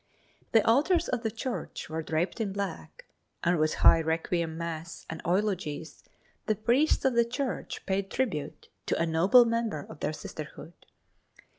The altars of the church were draped in black, and with high requiem mass and eulogies the priests of the church paid tribute to a noble member of their sisterhood.